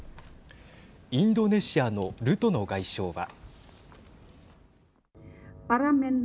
インドネシアのルトノ外相は。